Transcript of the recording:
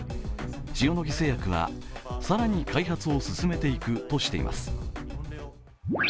塩野義製薬は更に開発を進めていくとしています。